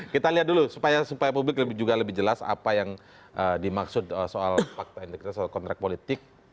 kita lihat dulu supaya publik juga lebih jelas apa yang dimaksud soal fakta integritas atau kontrak politik